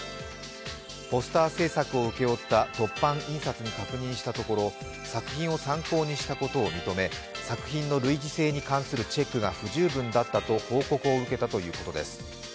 ポスター製作を請け負った凸版印刷に確認したところ作品を参考にしたことを認め作品の類似性に関するチェックが不十分だったと報告を受けたということです。